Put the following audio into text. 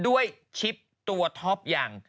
ปล่อยให้เบลล่าว่าง